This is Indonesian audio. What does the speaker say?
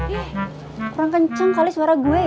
eh kurang kenceng kali suara gue ya